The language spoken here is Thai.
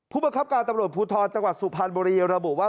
ผูกบันครับการตำรวจภูทธลจังหวัดสุภัณฑ์บริเยียรบิว่า